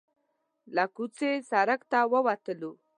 له کوڅې سړک ته وتلو.